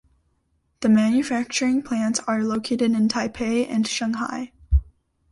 The manufacturing plants are located in Taipei and Shanghai.